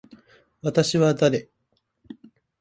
私は誰。